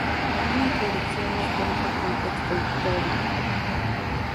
Una introducción nos cuenta el contexto histórico.